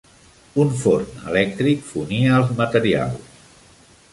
Un forn elèctric fonia els materials.